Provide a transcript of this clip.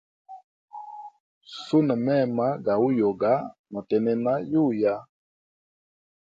Suna mema ga uyoga notegnena yuya.